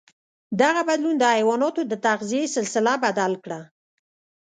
دغه بدلون د حیواناتو د تغذيې سلسله بدل کړه.